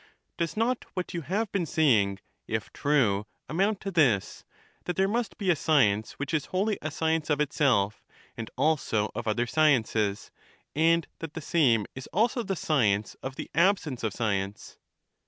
Does not what you have been saying, if true, amount to this: that there must be a science which is wholly a science of itself, and also of other sciences, and that the same is also the science of the absence of science?